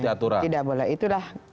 tidak boleh tidak boleh itulah parah parahnya